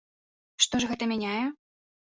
Што ж гэта мяняе?